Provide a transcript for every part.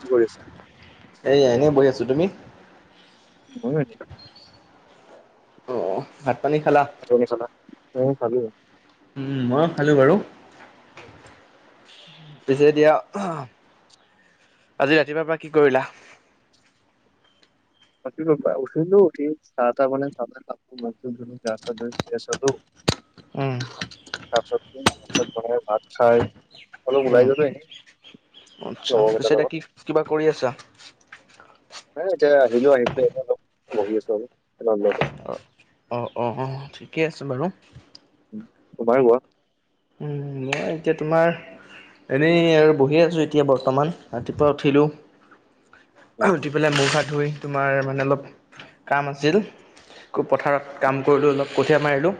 কি কৰি আছে? এই এনেই বহি আছোঁ তুমি? ময়ো এনেই। অ ভাত পানী খালা? ভাত পানী খালা? উম খালো। উম মইও খালো বাৰু। পিছে এতিয়া আ'হ, আজি ৰাতিপুৱাৰ পৰা কি কৰিলা? বাকী উঠিলো, উঠি চাহ তাহ বনাই চাহ খালো। মই ভাবিলো গা চা ধূই শুই আছাতো। উম তাৰপিছত তাৰপিছত বনাই ভাত খায়। অলপ ওলাই উম। গলো এনেই, আচ্ছা পিছে লগৰকেইটাৰ এতিয়া লগত। কি কিবা কৰি আছা? এহ এতিয়া আহিলো আহি পেলাই বহি আছো অলপ আৰু বাৰানদাতে। অ অ অ। ঠিকে আছে বাৰু। তোমাৰ কোৱা? এহ এতিয়া তোমাৰ এনেই আৰু বহি আছোঁ এতিয়া বৰ্তমান ৰাতিপুৱা উঠিলোঁ। উম, অ'হ উঠি পেলাই মূখ হাত ধুই তোমাৰ মানে অলপ কাম আছিল, পথাৰত কাম কৰিলো অলপ কঠীয়া মাৰিলোঁ।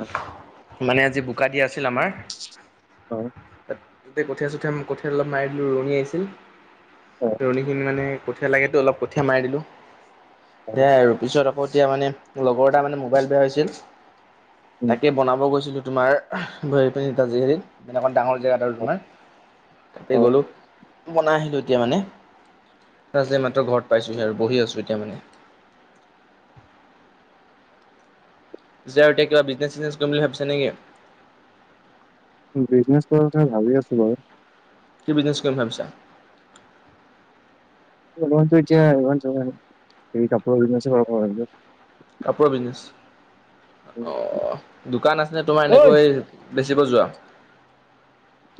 অ, মানে আজি বোকা দিয়া আছিল আমাৰ। অ। ত তাতে কঠীয়া - চঠীয়া কঠীয়া অলপ মাৰি দিলো ৰুৱণী আহিছিল। অ। মানে কঠীয়া লাগেতো অলপ কঠীয়া মাৰি দিলো, অ, সেয়া আৰু পিছত ক আকৌ এতিয়া মানে লগৰ এটা মানে মোবাইল বেয়া হৈছিল, উম, তাকে বনাব গৈছিলোঁ তোমাৰ আহ বহি পিনি হেৰি এনেকোৱা ডাঙৰ জেগা এটা আৰু তোমাৰ তাতে অ, গ'লোঁ বনাই আহিলো এতিয়া মানে তাৰ মাত্ৰ ঘৰত পাইছোহি আৰু বহি আছো এতিয়া মানে। যে আৰু তে কিবা বিজনেছ - চিজনেছ কৰিম বুলি ভাবিছে নেকি? বিজনেছ কৰা কথা ভাবি আছো বাৰু। কি বিজনেচ কৰিম ভাবিছা? তোমাৰটো এতিয়া, [unintelligible] কিতাপৰ বিজনেচে কৰো বুলি ভাবিছোঁ। কাপোৰৰ বিজনেছ, অঁ দোকান আছেনে তোমাৰ ঐ এনেকৈ? বেচিব যোৱা?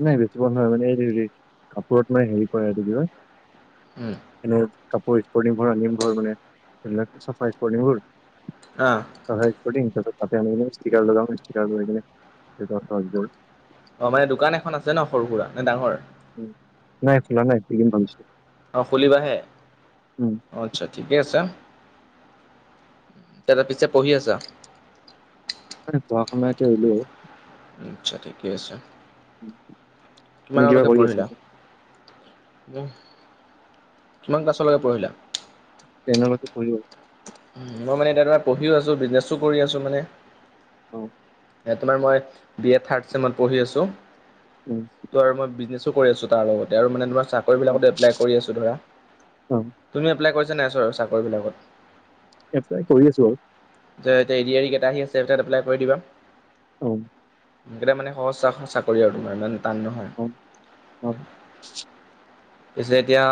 নাই বেছিব নোৱাৰো এনেই মানে এইটো হেৰি কাপোৰত মানে হেৰি পৰে। উম। এনে কাপোৰ স্পৰ্টিংবোৰ আনিম বাৰু মানে সেবিলাক চফা স্পৰ্টিংবোৰ অ। চাফা স্পটিং তাৰপিছত তাতে আনি ষ্টিকাৰ লগাম ষ্টিকাৰ লৈ কেনি। অ মানে দোকান এখন আছে ন সৰু সুৰা নে ডাঙৰ? উ নাই খোলা নাই এনে ভাবিছোঁ অ' খুলিবাহে? উম। অ আচ্ছা ঠিকে আছে তাৰ পিছে পঢ়ি আছা? না পঢ়া - শুনা এতিয়া এৰিলোঁ আৰু। আচ্ছা, ঠিকে আছে। উম। তুমি কিবা কিমানলৈকে কৰি আছা পঢ়িলা এতিয়া উম? কিমান ক্লাছলৈকে পঢ়িলা? টেনলৈকে পঢ়িলো। মই মানে দাদা পঢ়িও আছোঁ, বিজনেছো কৰি আছো মানে। অ', তোমাৰ মই বি এ থাৰ্ড চেমত পঢ়ি আছোঁ উম ত' আৰু মই বীজনেচ তো কৰি আছো তাৰ লগতে আৰু মানে তোমাৰ চাকৰি অ বিলাকত এপ্লাই কৰি আছো ধৰা। অ', তুমি এপ্লাই কৰিছা নাই চ-চাকৰিবলাকত? এপ্লাই কৰি আছো বাৰু। যে, এতিয়া এ ডি আৰি গেট আহি আছে তাত এপ্লাই কৰি দিবা। উম, সেকেইটা মানে সহজ [unintelligible] চাকৰি আৰু তোমাৰ ইমান টান নহয়। অ অ পিছে এতিয়া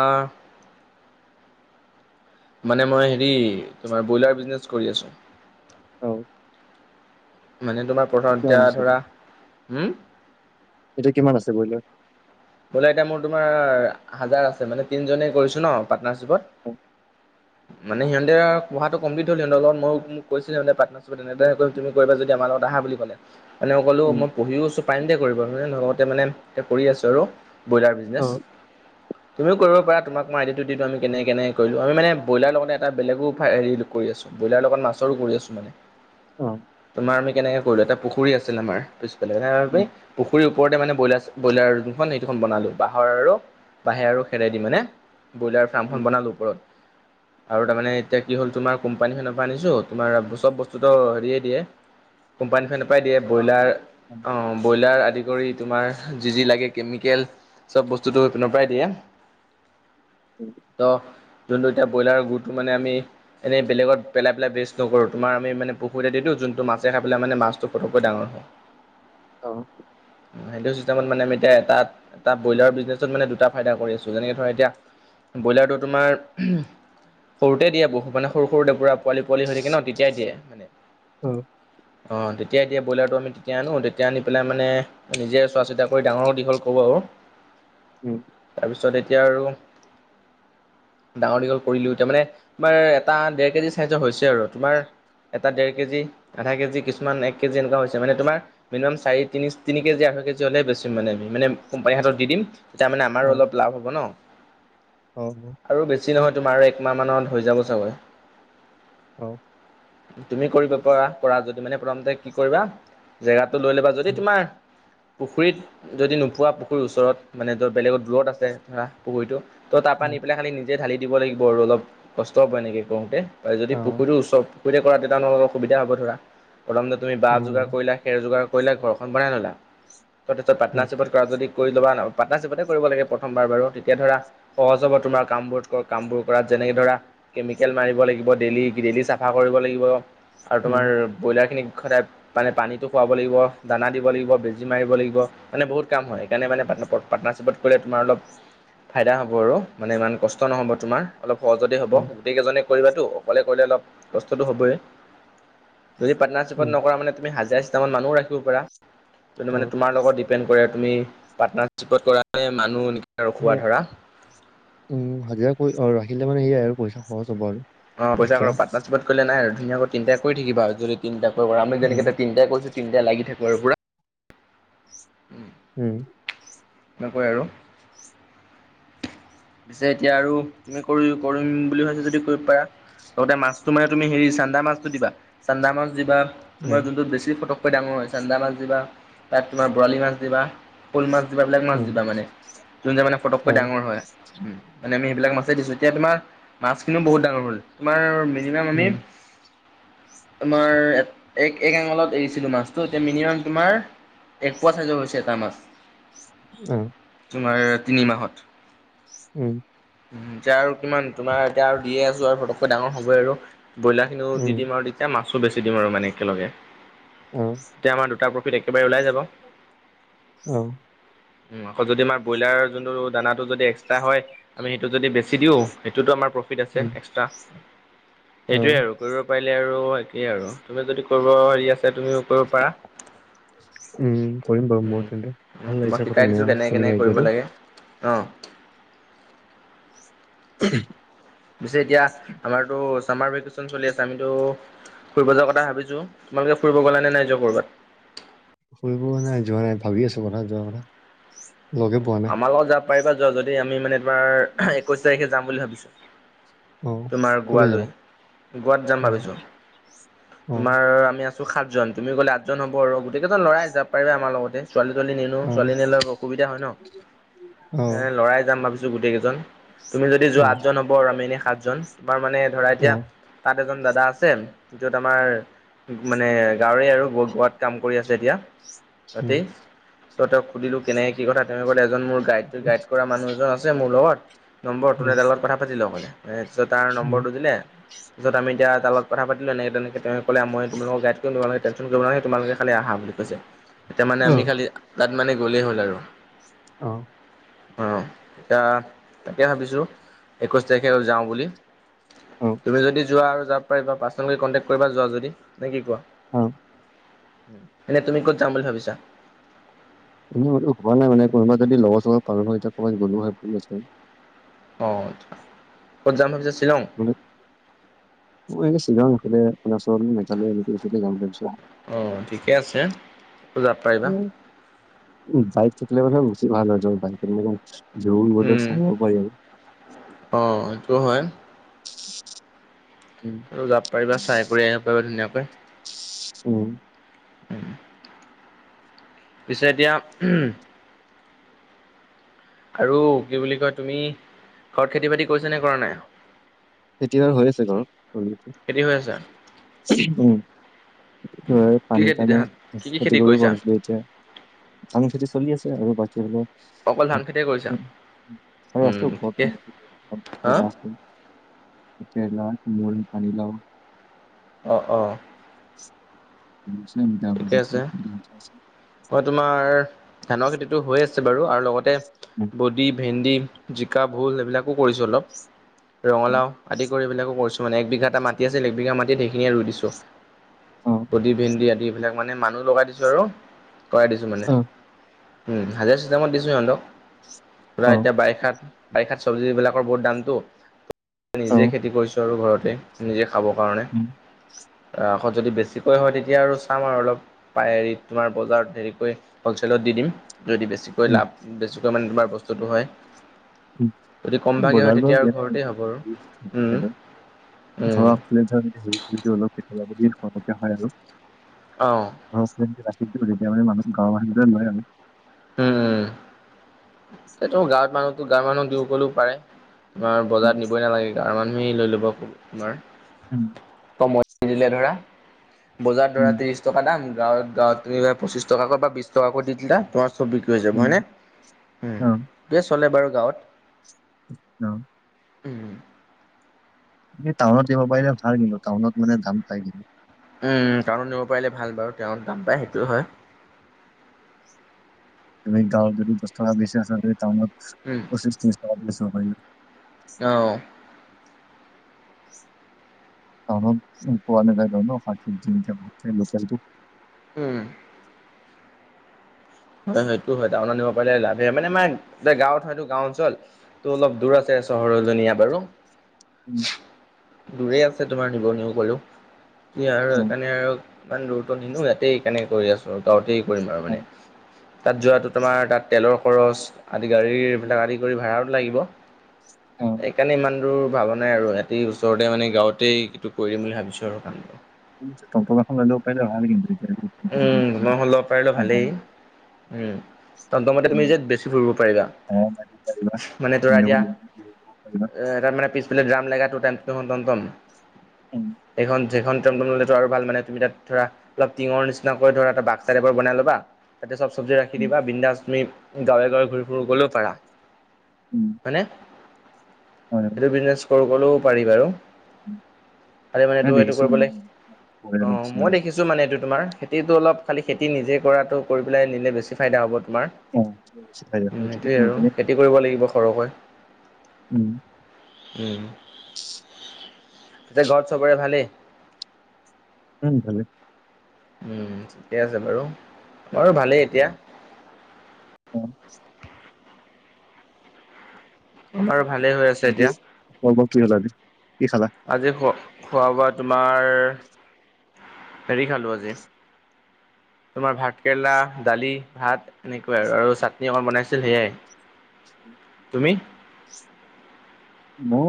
মানে মই হেৰি তোমাৰ বইলাৰ বিজনেছ কৰি আছোঁ। অ', মানে তোমাৰ প্ৰথম কিমান এতিয়া আছে ধৰা উম, এতিয়া কিমান আছে বইলাৰ? বইলাৰ এতিয়া মোৰ তোমাৰ হাজাৰ আছে মানে তিনিজনে কৰিছো ন' পাৰ্টনাৰশ্বিপত। অ মানে সিহঁতে পঢ়াটো কম্লিট হল সিহঁতৰ লগত মোক - মোক কৈছিল সিঁহতে পাট তাছত তেনেদৰে [unintelligible] তুমি কৈ দিয়া যদি আমাৰ লগত আহা বুলি কলে মানে মই ক'লো উম মই পঢ়িও আছো পাৰিম দে কৰিব মানে লগতে মানে তে কৰি আছো আৰু। বইলাৰ অ বিজনেছ। তুমিও কৰিব পাৰা তোমাক মই আইডিয়াটো দিওঁ আমি কেনেকে-কেনেকে কৰিলো আমি মানে বইলাৰ লগতে এটা বেলেগো অফ হেৰি এইটো কৰি আছো। বইলাৰৰ লগত মাছৰো কৰি আছো মানে। অ', তোমাৰ আমি কেনেকে কৰিলো এটা পুখুৰী আছিল আমাৰ পিছফালে [unintelligible] উম পুখুৰী ওপৰতে মানে বইলাৰচ-বইলাৰ যোনখন এইটোখন বনালো বাঁহৰ আৰু বাঁহে আৰু খেৰে দি মানে। বইলাৰ উম ফাৰ্মখন বনালোঁ ওপৰত। আৰু তাৰমানে এতিয়া কি হ'ল তোমাৰ কোম্পানীখনৰ পৰা আনিছো তোমাৰ চব বস্তুটো হেৰিয়ে দিয়ে। কোম্পানী ফেনেৰ পাই দিয়ে বইলাৰ। উম, অ, ব্ৰইলাৰ আদি কৰি তোমাৰ যি-যি লাগে কেমি কেল, চব বস্তুটো সেইপিনৰ পৰাই দিয়ে উম ত' যোনটো এতিয়া বইলাৰৰ গুটো মানে আমি এনেই বেলেগত পেলাই বেষ্টকৰো তোমাৰ আমি মানে পুখুৰীতে দিওঁ যোনটো মাছে খাই পেলাই মানে মাছটো ফটকৈ ডাঙৰ হয়। [inaudible] অ', সেইটো চিষ্টেমত মানে আমি এতিয়া এটাত এটা ব্ৰইলাৰ বিজনেছত মানে দুটা ফাইদা কৰি আছো যেনেকে ধৰা এতিয়া বইলাৰটো তোমাৰ সৰুতে দিয়ে বহু মানে সৰু- সৰু তে পোৱালি -পোৱালি হৈ থাকে ন' তেতিয়াই দিয়ে মানে। অ', অ, তেতিয়া দিয়া বইলাৰটো আমি তেতিয়া আনো তেতিয়া আনি পেলাই মানে নিজে চোৱা চিতা কৰি ডাঙৰো দীঘল কৰো আৰু। উম, তাৰপিছত এতিয়া আৰু ডাঙৰ দীঘল কৰিলো তাৰ মানে তোমাৰ এটা ডেৰ কেজি চাইজৰ হৈছে আৰু তোমাৰ এটা ডেৰ কেজি, আধা কেজি, কিছুমান এক কেজি এনেকুৱা হৈছে মানে তোমাৰ মিনিমাম চাৰি তিনি-তিনি কেজি আঢ়ৈ কেজি হ'লে বেছি মানে-মানে কোম্পানীৰ হাতত দি দিম তেতিয়া অ আমাৰো অলপ লাভ হ'ব ন'। অ', আৰু বেছি নহয় তোমাৰ একমাহমানত হৈ যাব চাগৈ। অ', তুমি কৰিব পৰা -পৰা যদি মানে প্ৰথমতে কি কৰিবা জেগাটো লৈ ল বা যদি উম তোমাৰ পুখুৰীত যদি নু পুৱা পুুখুৰীৰ ওচৰত মানে যৰ বেলেগৰ দূৰত আছে ধৰা খুৰীটোতো ত তাপা নি উম পেলাই খালী নি যেতিয়া ঢালি দিব লাগিব আৰু অলপ কষ্ট হ'ন এনেকৈ কৰোঁতে, যদি অ পুখুৰীও চব সুবিতে কৰা তেতিয়া তোকৰ অসুবিধা হ'ব ধৰা প্ৰথমতে তুমি বহ উম উম যোগাৰ কৰিলা খেৰ যোগাৰ কৰিলা ঘৰখন বনাই ল'লা তাৰপিছত উম। পাৰ্টনাৰশ্বিপত যদি কৰি ল'ব পাৰ্টনাৰশ্বিপতে কৰিব লাগে প্ৰথমবাৰ বাৰু তেতিয়া ধৰা সহজ হব তোমাৰ কামবোৰ - কামবোৰ কৰাত যেনেকে ধৰা কেমিকেল মাৰিব লাগিব, ডেইলি ডেইলি চাফা কৰিব লাগিব আৰু উম, তোমাৰ ব্ৰইলাৰখিনি সদায় মানে পানীটো খুৱাব লাগিব, দানা দিব লাগিব, বেজী মাৰিব লাগিব মানে বহুত কাম হয় সেইকাৰনে মানে পা পাটৰ্নাৰশ্বিপত কৰিলে তোমাৰ অলপ ফাইদা হ'ব আৰু মানে ইমান কষ্ট নহ'ব তোমাৰ। অলপ সহজতে হ'ব, অ, গোটেইকেইজনে কৰিবাতো অকলে কৰিলে অলপ কষ্টটো হ'বই। যদি পাৰ্টনাৰশ্বিপট উম, নকৰা মানে তুমি হাজিৰা চিষ্টেমত মানুহ ৰাখিব পাৰা, সেইটো মানে অ, তোমাৰ লগত ই পেন কৰে তুমি, পাৰ্টনাৰশ্বিপ কৰা মানুহ সেয়া, ৰখোৱা ধৰা উম হাজিৰা কৰি ৰাখিলে মানে সেইয়াই আৰু পইচা খৰচ হ'ব আৰু। অ পইচা এক্সট্ৰা। পাটৰ্নাৰশ্বিপত কৰিলে নাই আৰু ধুনায়াকৈ তিনিটা কৰি থাকিব আৰু যদি তিনিটা কৰি কৰা আমি যেনে উম, তিনিটাই কৈছো তিনিটা লাগি থাক আৰু পোৰা। উম। উম। এনেকৈ আৰু। পিছে এতিয়া আৰু তুমি কৰি কৰিম বুলি ভাবিছা যদি কৰিব পাৰা, লগতে মাছ তোমাৰ তুমি হেৰি চান্দা মাছটো দিবা, চান্দা মাছ দিবা তোমাৰ উম, যোনটোত বেছি ফতক কৈ ডাঙৰ হয়, চান্দা মাছ দিবা তাত তোমাৰ বৰালি মাছ দিবা। শ'ল মাছ দিবা বেলোক মাছ উম, দিবা মানে যোন যে মানে ফটককৈ অ, ডাঙৰ হয়। উম মানে আমি সেইবিলাক মাছে দিছো এতিয়া তোমাৰ মাছ খিনিও বহুত ডাঙৰ হ'ল তোমাৰ মে মিনিমাম আমি উম, তোমাৰ এক এক আঙলত এৰিছিলো মাছটোত। এতিয়া মিনিমাম তোমাৰ এক পোৱা চাইজৰ হৈছে এটা মাছ। উম। তোমাৰ তিনিমাহত। উম। এতিয়া আৰু কিমান তোমাৰ এতিয়া আৰু দিয়েই আছো আৰু পটককে ডাঙৰ হ'ব আৰু ব্ৰইলাৰ খিনিও দি উম, দিম আৰু এ মাছো বেছি দিম আৰু মানে একেলগে। মাছ তেতিয়া আমাৰ দুটা প্ৰফিট একেবাৰে ওলাই যাব। অ। উম আকৌ যদি আমাৰ ব্ৰইলাৰ যোনটো দানাটো যদি একচ ট্ৰা হয় আমি সেইটো যদি বেছি দিওঁ সেইটো আমাৰ প ফিট আছে উম, এক্সট্ৰা, অ, সেইটো আৰু কৰিব পাৰিলে আৰু সেইটোৱেই আৰু তুমি যদি কৰিব হে আছে তুমিও কৰিব পাৰা। উম কৰিম বাৰু উম, মোৰ তেন্তে উম, ভাল তোমাক লাগিছে শনে আইডিয়াটো। অঁ। উহু। পিছে এতিয়া আমাৰতো চামাৰ ভেকেচন চলি আছে আমিতো ফুৰিব যোৱাৰ কথা ভাবিছোঁ, তোমালোকে ফুৰি গ'লা নে নাই যোৱা ক'বাত? ফুৰিব নাই যোৱা নাই, ভাবি আছো বনা যোৱা কথা লগে পোৱা নাই আমাৰ লগত যাব পাৰিবা যোৱা যদি আমি মানে তোমাৰ আহ একৈশ তাৰিখে যাম বুলি ভাবিছো। অ তোমাৰ কলৈ গোৱালৈ যাবা গোৱাত যাম অ ভাবিছোঁ। অ তোমাৰ আমি আছো সাতজন, তুমি গলে আঠজন হ'ব আৰু গোটেই কেইজন লৰাই যাব পাৰিবা আমাৰ লগতে। ছোৱালী - তোৱালী নিনো, অ ছোৱালী নিলে অলপ অসুবিধা হয় ন, অ এ লৰাই যাম ভাবিছো গোটেই কিজন। তুমি যদি যোৱা উম আঠজন হব, আমি এনে সাতজন তোমাৰ মানে ধৰা এতিয়া অ তাত এজন দাদা আছে য'ত আমাৰ মানে গাঁৱৰে আৰু গাত কাম কৰি আছে যেতিয়া উম তাতেই তাহাঁতক সুধিলো কেনেকে কথা তেওঁ কলে এজন মোৰ গাইড গাইড কৰা মানুহ এজন আছে মোৰ লগত নম্বৰ তুমি উম তাৰ লগত কথা পাতি লবলে তাপাছত তাৰ উম নম্বৰটো দিলে পিছত আমি এতিয়া তাৰ লগত কথা পাতিলো এনেকে তেনেকে তেনে কলে মই তোমালোকক গাইড কৰিম তোমালোকে টেনচন কৰিব নালাগে তোমালোকে খালি আহা বুলি কৈছে তেতিয়া মানে অ আমি খালি তাত মানে গ'লেই হ'ল আৰু অ অ এতিয়া তাকে ভাবিছো একৈশ তাৰিখে যাও বুলি অ তুমি যদি যোৱা আৰু যাব পাৰিবা পাৰ্চনেলকে কনটেক্ট কৰিবা যোৱা যদি নে কি কোৱা অ উম এনে তুমি ক'ত যাম বুলি ভাবিছা একো হোৱা নাই মানে কোনোবা যদি লগৰ চগৰ পালো হৈ তেতিয়া কবাত গলো হৈ বুলি ভাবিছিলো অ আচ্ছা ক'ত যাম ভাবিছা শ্বিলং মানে মোৰ এনেই শ্বিলং নাছিলে অৰুণাচল মেঘালয় অ ঠিকে আছে যাব পাৰিবা উ বাইক থাকিলে মানে বেছি ভাল হৈ যাব বাইক জোন মাৰিলে উম চাব পাৰি আৰু অঁ সেইটো হয় উম আৰু যাব পাৰিবা চাই কৰি আহিব পাৰিবা ধুনীয়াকৈ উ পিছে এতিয়া উম আৰু কি বুলি কয় তুমি ঘৰত খেতি বাতি কৰিছা নে কৰা নাই এতিয়া আৰু হৈ আছে ঘৰত খেতি হৈ আছে উম যাই কি পানী খেতি কাৰণে ধান কি কি খেতি কৰিব কৰিছা পাহৰিছিলে এতিয়া আম খেতি চলি আছে আৰু অকল ধান বাকীবিলাক খেতিয়ে কৰিছা উম ঠিকে হা [unintelligible] তে মই পানী লাও অ অ ঠিকে আছে [unintelligible] মই তোমাৰ ধানৰ খেতিটো হৈ আছে বাৰু আৰু লগতে উম, বডি ভেন্দি জিকা ভোল এইবিলাকো কৰিছো অলপ ৰঙালাও আদি কৰি এইবিলাকো কৰিছো মানে এক বিঘা এটা মাটি আছিল এক বিঘা মাটিত সেইখিনিয়ে ৰুই দিছো অ কডি ভেন্দি আদি এইবিলাক মানে মানুহ লগাই দিছো আৰু কৰাই দিছো মানে অ উম হাজিৰা চিষ্টেমত দিছো সিহঁতক পুৰা এতিয়া বাৰিষাত বাৰিষাত চব্জিবিলাকৰ বহুত দামটো নিজেই খেতি কৰিছো আৰু ঘৰতে নিজে খাবৰ কাৰণে উম অ আকৌ যদি বেছিকৈ হয় তেতিয়া আৰু চাম আৰু অলপ পায় হেৰি তোমাৰ বজাৰত হেৰিকৈ হলচেলত দি দিম যদি বেছিকৈ লাভ বেছিকৈ মানে তোমাৰ বস্তুটো হয় যদি কম ভাগে হয় বজাৰলৈ তেতিয়া আৰু দিয়া নাই ঘৰতে হ'ব আৰু উম অ উম, অলপ পেটেলা পেটেলি হব লগা হয় আৰু অ মেইনকে ৰাতি দিব তেতিয়া মানে মানুহ গাঁৱৰ মানুহবিলা লয় আৰু হম হম সেত গাঁৱত মানুহতো গাঁৱৰ মানুহ দূৰ গলেও পাৰে তোমাৰ বজাৰত নিবই নালাগে গাৱৰ মানুহেই লৈ ল'ব খব তোমাৰ উম কমত নি দিলে ধৰা বজাৰ ধৰা ত্ৰিশ টকা দাম গাঁৱ গাঁৱত তেনেকৈ পঁচিছটাকৈ বা বিছ টকাকৈ দি দিলা তোমাৰ চব বিক্ৰী হৈ যাব হয়নে অ। দে চলে বাৰু গাঁৱত। অ। উম। এ টাউনত দিব পাৰিলে ভাল কিন্তু টাউনত মানে দাম চাই কিন্তু। উম টাউনত নিব পাৰিলে ভাল বাৰু তেওঁ দাম পায় সেইটো হয়। তুমি গাঁৱত যদি দচ টকা বেছি আছে টাউনত উম। পশিচ টিছ টকাত বেচিব পাৰি। অহ। টাউনত [inaudible] উম। হয় সেইটো হয় টাউনত নিব পাৰিলে লাভে মানে মানে আমাৰ গাঁৱত হয়টো গাওঁ অঞ্চল তো অলপ দূৰ আছে চহৰৰ জনীয়া বাৰু। ওম। দূৰে আছে তোমাৰ নিবন সকলো কি আৰু অ সেইকাৰণে আৰু ইমান দূৰত্ব নিনো ইয়াতেই কেনেকে কৰি আছো গাঁৱতেই কৰিম আৰু মানে। তাত যোৱাটো তোমাৰ তাত তেলৰ খৰচ আদি গাড়ীৰবিলাক আদি কৰি ভাড়াটো লাগিব। অ সেইকাৰণে ইমান দূৰ ভাল নাই আৰু এইয়াটে ওচ ওচৰতে মানে গাঁৱতেই এইটো কৰিম বুলি ভাবিছোঁ আৰু কামটো। উম টমটম এখন ল'ব পাৰিলে ভাল। [inaudible] উম সেনকা এখন ল'ব পাৰিলে ভালেই তেতিয়া উম। তাতুমতে তুমি যে বেছি ফুৰিব পাৰিবা। অ মাৰিব পাৰিবা চু মানে ধৰা তুমিও এতিয়া দৌৰিব পাৰিবা এ তাৰ মানে পিচ মানে গ্ৰাম লগাটো তাত টমটম, উম এইখন সেইখন টমটন'লেতো আৰু ভাল মানে তাত ধৰা অলপ টিঙৰ নিচিনাকৈ ধৰা এটা বাক্সাটাইপৰ বনাই ল'বা তাতে চব চব্জি ৰাখি দিবা বিন্দাছ তুমি গাঁৱে - গাঁৱে ঘূৰি ফুৰি গলেও পাৰা। ওম। হয়নে? সেইটো বিজনেছ কৰিবলেও পাৰি বাৰু। আৰে মানে নাই তোৰ সেইটো দেখিছো কৰিবলৈ, কৰে অ ন কিছুমানে মই দেখিছ চু মানে এইটো তোমাৰ, খেতিটো অলপ খালী খেতি নিজে কৰাটো কৰি পেলাই নিলে বেছি ফাইদা হ'ব তোমাৰ। অ উম সেইটোৱে আৰু [inaudible] খেতি কৰিব লাগিব সৰহকৈ। উম। উম। [unintelligible] তাতে ঘৰত চবৰে ভালেই? উম ভালে। উম ঠিকে আছে বাৰু, বাৰু ভালেই এতিয়া। অ। বাৰ ভালে হৈ আছে এতিয়া। ব ব কি হলা, কি খালা? আজি খোৱা খোৱা - বোৱা তোমাৰ হেৰি খালোঁ আজি তোমাৰ ভাত কেৰেলা, দালি, ভাত সেনেকুৱাই আৰু আৰু চাটনি অকণ বনাইছিল সেয়াই, তুমি? মও